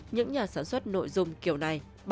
những nhà sản xuất nội dung kiểu này